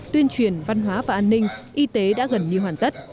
tuyên truyền văn hóa và an ninh y tế đã gần như hoàn tất